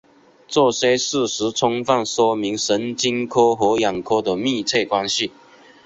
这些事实充分说明神经科和眼科的密切关系。